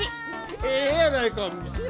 ええやないか。